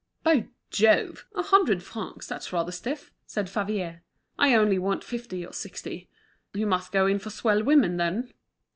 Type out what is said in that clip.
"By Jove! a hundred francs; that's rather stiff," said Favier. "I only want fifty or sixty. You must go in for swell women, then?"